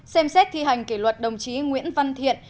ba xem xét thi hành kỷ luật đồng chí nguyễn văn thiện